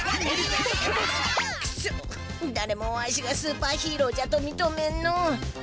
くそだれもわしがスーパーヒーローじゃとみとめんのう。